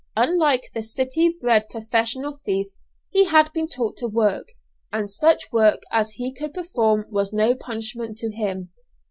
Unlike the city bred professional thief, he had been taught to work, and such work as he could perform was no punishment to him.